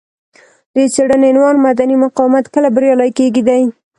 د څېړنې عنوان مدني مقاومت کله بریالی کیږي دی.